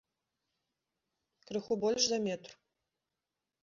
Крыху больш за метр.